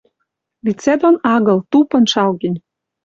Лицӓ дон агыл, тупын шалген.